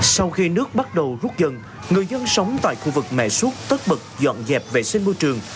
sau khi nước bắt đầu rút dần người dân sống tại khu vực mẹ suốt tất bực dọn dẹp vệ sinh môi trường